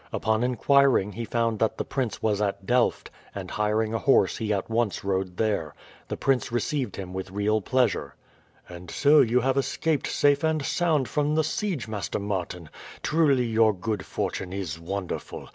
Upon inquiring he found that the prince was at Delft, and hiring a horse he at once rode there. The prince received him with real pleasure. "And so you have escaped safe and sound from the siege, Master Martin? Truly your good fortune is wonderful.